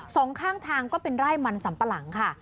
สองข้างทางก็เป็นไร่มันสัมปะหลังค่ะ